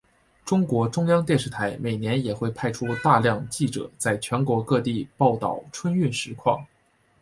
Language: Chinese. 中国中央电视台每年也会派出大量记者在全国各地报道春运实况。